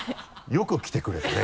よく来てくれたね